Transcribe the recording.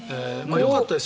よかったです。